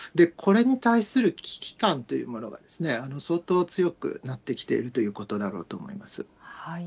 これに対する危機感というものが、相当強くなってきているということだろうと思います。